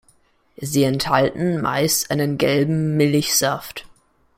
Sie enthalten meist einen gelben Milchsaft.